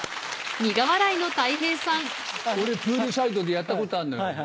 俺プールサイドでやったことあんのよ。